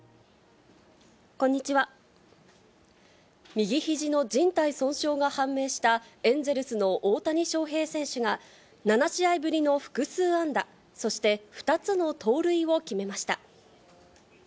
右ひじのじん帯損傷が判明したエンゼルスの大谷翔平選手が、７試合ぶりの複数安打、そして２つの盗塁を決めました。